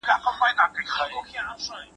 مور مي وویل چي خپلي جامي پخپله ګنډه.